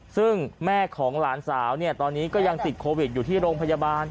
ซึ่งแม่ของหลานสาวตอนนี้ก็ยังติดโควิดอยู่ที่โรงพยาบาล